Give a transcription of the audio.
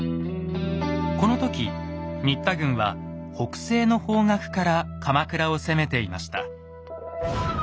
この時新田軍は北西の方角から鎌倉を攻めていました。